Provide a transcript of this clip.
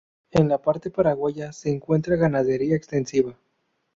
En la parte paraguaya se encuentra ganadería extensiva.